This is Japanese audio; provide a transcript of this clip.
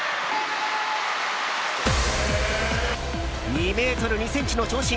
２ｍ２ｃｍの長身